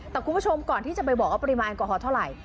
แต่คุณผู้ชมก่อนที่จะไปบอกว่าปริมาณแอลกอฮอลเท่าไหร่